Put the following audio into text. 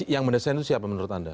yang mendesain itu siapa menurut anda